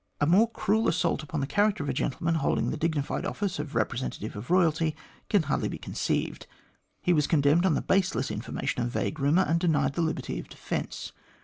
A more cruel assault upon the character of a gentleman holding the dignified office of representative of Royalty can hardly be conceived. He was condemned on the baseless information of vague rumour, and denied the liberty of defence.